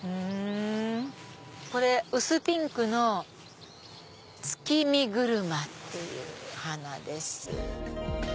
これ薄ピンクの「月見車」っていう花です。